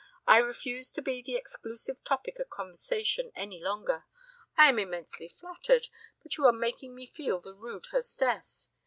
I refuse to be the exclusive topic of conversation any longer. I am immensely flattered, but you are making me feel the rude hostess."